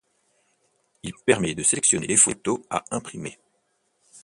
Il permet de sélectionner les photos à imprimer.